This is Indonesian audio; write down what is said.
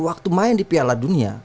waktu main di piala dunia